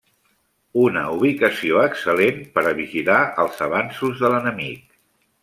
Una ubicació excel·lent per a vigilar els avanços de l'enemic.